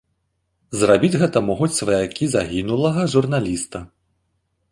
Зрабіць гэта могуць сваякі загінулага журналіста.